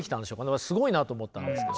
私すごいなと思ったんですけど。